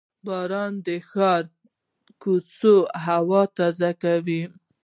• باران د ښاري کوڅو هوا تازه کوي.